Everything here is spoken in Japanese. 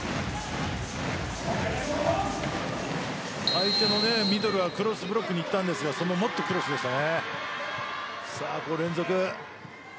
相手のミドルはクロスブロックにいきましたがそのもっとクロスでした。